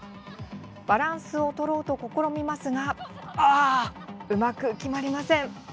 バランスを取ろうと試みますがうまく決まりません。